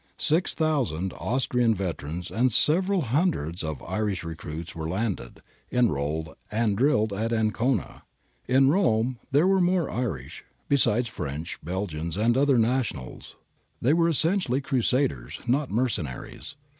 Six thousand Austrian veterans and several hundreds of Irish recruits were landed, enrolled, and drilled at Ancona. In Rome there were more Irish, besides French, Belgians, and other nationals. They were essentially crusaders, not mercenaries.